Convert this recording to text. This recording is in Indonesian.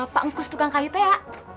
pak ngkus tukang kayu teh ya